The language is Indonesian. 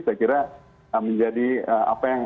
saya kira menjadi apa yang